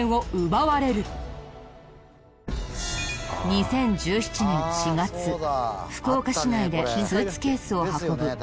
２０１７年４月福岡市内でスーツケースを運ぶ１人の男性。